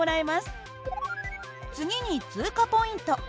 次に通過ポイント。